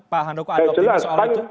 pak handoko ada optimis soal itu